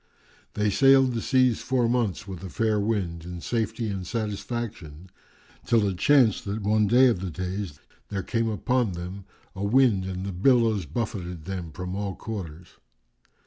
They sailed the seas four months with a fair wind, in safety and satisfaction till it chanced that one day of the days there came out upon them a wind and the billows buffeted them from all quarters.